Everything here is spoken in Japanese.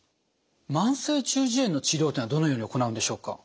慢性中耳炎の治療というのはどのように行うんでしょうか？